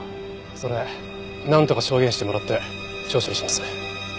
それなんとか証言してもらって調書にします。